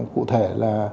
cụ thể là